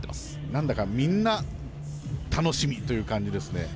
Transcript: なんだかみんな楽しみという感じですね